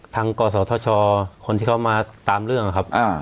กศธชคนที่เขามาตามเรื่องนะครับ